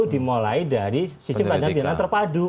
dimulai dari sistem peradilan pidana terpadu